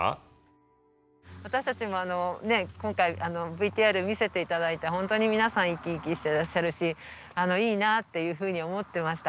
私たちも今回ＶＴＲ見せて頂いて本当に皆さん生き生きしてらっしゃるしいいなあっていうふうに思ってました。